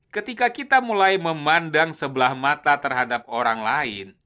ketika kita mulai memandang sebelah mata terhadap orang lain